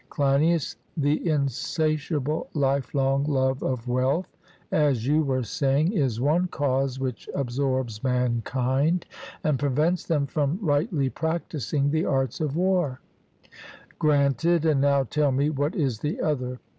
CLEINIAS: The insatiable lifelong love of wealth, as you were saying, is one cause which absorbs mankind, and prevents them from rightly practising the arts of war: Granted; and now tell me, what is the other?